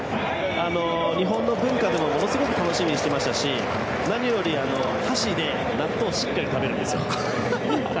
日本の文化もすごく楽しみにしていましたし何より、箸で納豆をしっかり食べるんですよ。